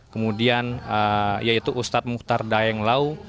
kemudian yaitu ustadz mukhtar dayeng lau